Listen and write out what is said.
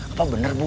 apa benar bu